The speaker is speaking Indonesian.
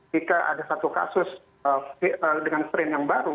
jika ada satu kasus dengan strain yang baru